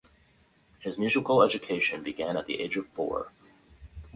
His musical education began at the age of four.